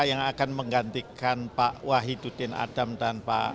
yang akan menggantikan pak wahidudin adams dan pak aswanto